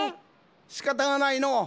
しかたがないのう。